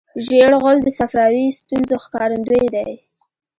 ژېړ غول د صفراوي ستونزو ښکارندوی دی.